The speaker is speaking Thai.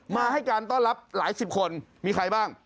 มาให้การต้อนรับหลายสิบคนมีใครบ้าง